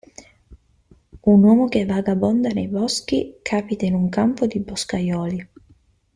Un uomo che vagabonda nei boschi, capita in un campo di boscaioli.